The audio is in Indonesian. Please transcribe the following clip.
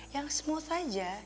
yang smooth aja